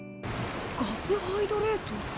ガスハイドレート？